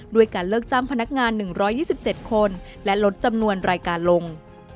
ด้วยการเลิกจ้างพนักงาน๑๒๗คนและลดจำนวนรายการลง